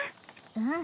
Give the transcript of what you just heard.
うん。